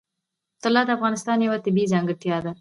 طلا د افغانستان یوه طبیعي ځانګړتیا ده.